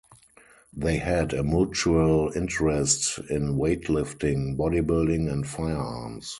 They had a mutual interest in weightlifting, bodybuilding and firearms.